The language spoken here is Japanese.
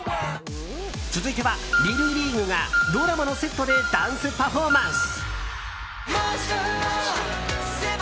続いてはＬＩＬＬＥＡＧＵＥがドラマのセットでダンスパフォーマンス。